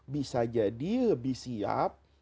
bisa jadi lebih siap